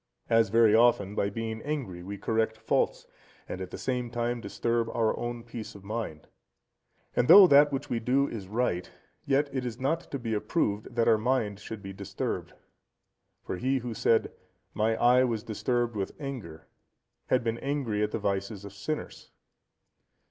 As very often by being angry we correct faults, and at the same time disturb our own peace of mind; and though that which we do is right, yet it is not to be approved that our mind should be disturbed. For he who said, "My eye was disturbed with anger," had been angry at the vices of sinners.